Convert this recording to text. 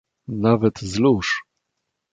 "nawet z lóż..."